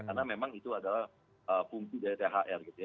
karena memang itu adalah fungsi dari thr gitu ya